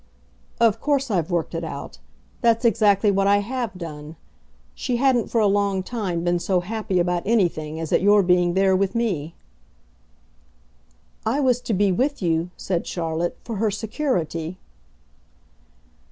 "Of course I've worked it out that's exactly what I HAVE done. She hadn't for a long time been so happy about anything as at your being there with me." "I was to be with you," said Charlotte, "for her security."